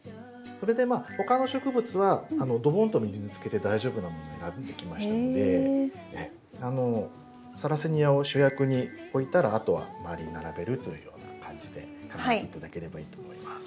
それで他の植物はドボンと水につけて大丈夫なものを選んでおきましたのでサラセニアを主役に置いたらあとは周りに並べるというような感じで考えて頂ければいいと思います。